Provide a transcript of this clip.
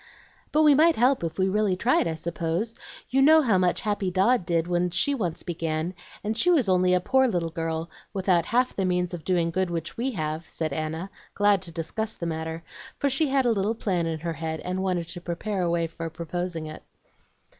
"But we might help if we really tried, I suppose; you know how much Happy Dodd did when she once began, and she was only a poor little girl without half the means of doing good which we have," said Anna, glad to discuss the matter, for she had a little plan in her head and wanted to prepare a way for proposing it.